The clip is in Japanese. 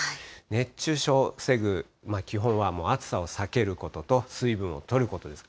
熱中症を防ぐ基本は暑さを避けることと、水分をとることです。